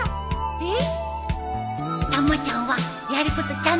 えっ？